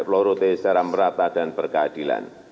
pelurute secara merata dan berkeadilan